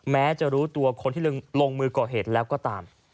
แม้จะรู้ตัวคนที่ลงมือก่อเหตุแล้วก็ตาม